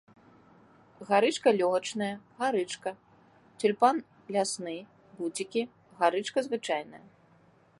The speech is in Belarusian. Гарычка лёгачная, гарычка, цюльпан лясны, буцікі, гарычка звычайная.